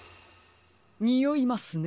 においますね。